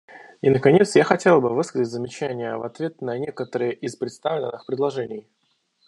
И наконец, я хотела бы высказать замечания в ответ на некоторые из представленных предложений.